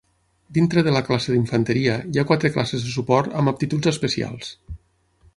Dintre de la classe d'infanteria, hi ha quatre classes de suport amb aptituds especials.